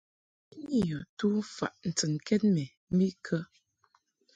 U biʼni yɔ tufaʼ ntɨnkɛd mɛ mbiʼ kə ?